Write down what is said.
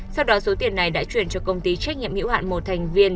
sau đó số tiền này đã chuyển cho công ty trách nhiệm hữu hạn một thành viên